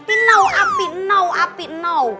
tidak tidak tidak tidak